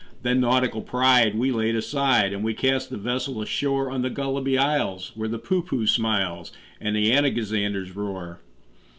Then nautical pride we laid aside, And we cast the vessel ashore On the Gulliby Isles, where the Poohpooh smiles, And the Anagazanders roar.